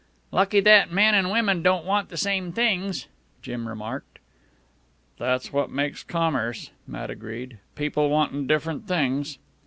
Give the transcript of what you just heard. "Lucky that men an' women don't want the same things," Jim remarked. "That's what makes commerce," Matt agreed; "people wantin' different things."